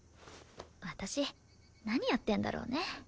私何やってんだろうね。